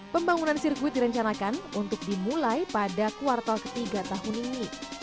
pembangunan sirkuit direncanakan untuk dimulai pada kuartal ketiga tahun ini